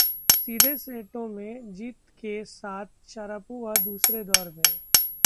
सीधे सेटों में जीत के साथ शारापोवा दूसरे दौर में